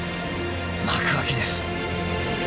［幕開きです］